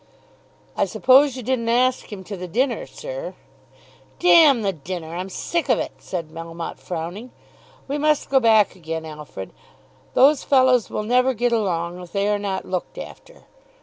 "I suppose you didn't ask him to the dinner, sir." "D the dinner, I'm sick of it," said Melmotte, frowning. "We must go back again, Alfred. Those fellows will never get along if they are not looked after.